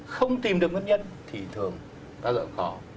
không tìm được nguyên nhân thì thường đã rõ khó